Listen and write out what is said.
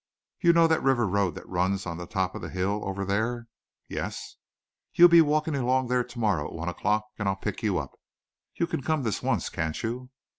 You know that river road that runs on the top of the hill over there?" "Yes." "You be walking along there tomorrow at one o'clock and I'll pick you up. You can come this once, can't you?"